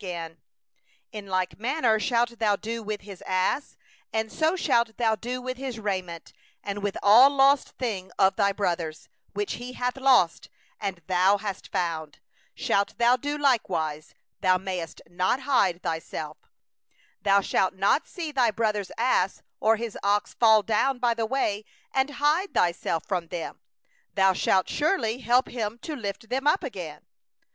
3And so shalt thou do with his ass; and so shalt thou do with his garment; and so shalt thou do with every lost thing of thy brother's, which he hath lost, and thou hast found; thou mayest not hide thyself. 4Thou shalt not see thy brother's ass or his ox fallen down by the way, and hide thyself from them; thou shalt surely help him to lift them up again.